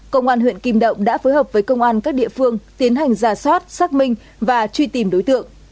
công an huyện kim động đã phối hợp với công an các địa phương tiến hành giả soát xác minh và truy tìm đối tượng